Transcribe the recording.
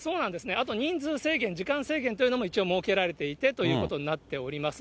あと人数制限、時間制限というのも一応、設けられていてということになっております。